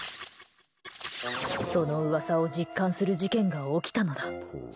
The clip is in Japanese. その噂を実感する事件が起きたのだ。